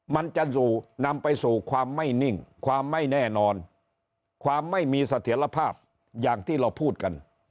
มันจะนำไปสู่ความไม่นิ่งความไม่แน่นอนความไม่มีเสถียรภาพอย่างที่เราพูดกัน